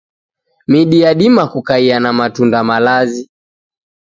Midi yadima kukaia na matunda malazi.